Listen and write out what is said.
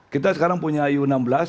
kita sekarang punya iu enam belas